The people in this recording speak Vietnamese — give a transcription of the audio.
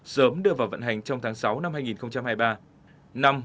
sớm đưa vào vận hành trong tháng sáu năm hai nghìn hai mươi ba